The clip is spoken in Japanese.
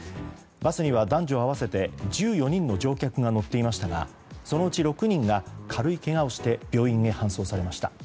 バスには男女合わせて１４人の乗客が乗っていましたがそのうち６人が軽いけがをして病院に搬送されました。